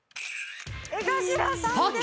江頭さんです！